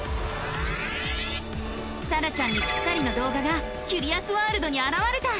さらちゃんにぴったりの動画がキュリアスワールドにあらわれた！